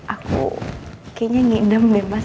aku kayaknya ngidam deh mas